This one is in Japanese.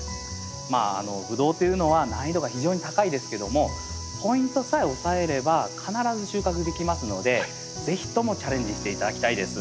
まあブドウというのは難易度が非常に高いですけどもポイントさえ押さえれば必ず収穫できますので是非ともチャレンジして頂きたいです。